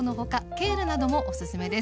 ケールなどもおすすめです。